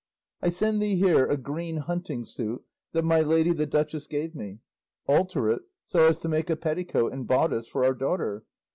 I send thee here a green hunting suit that my lady the duchess gave me; alter it so as to make a petticoat and bodice for our daughter.